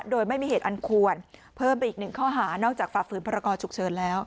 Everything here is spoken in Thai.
โดยไม่มีเหตุอันควรเพิ่มไปอีกหนึ่งข้อหานอกจากฝ่าฝืนพรกรฉุกเฉินแล้ว